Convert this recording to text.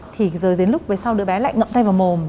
thì rồi đến lúc đứa bé lại ngậm tay vào mồm